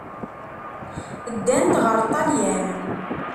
Ddant ɣer Ṭṭalyan.